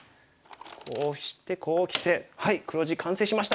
こうしてこうきてはい黒地完成しました。